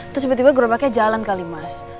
terus tiba tiba gerobaknya jalan kali mas